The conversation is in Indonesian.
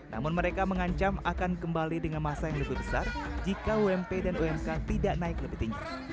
namun mereka mengancam akan kembali dengan masa yang lebih besar jika ump dan umk tidak naik lebih tinggi